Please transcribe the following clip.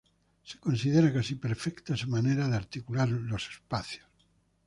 Se considera casi perfecta su manera de articular los espacios.